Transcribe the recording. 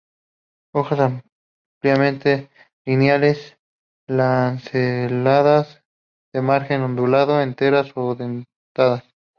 Hojas ampliamente lineales a lanceoladas, de margen ondulado, enteras o dentadas.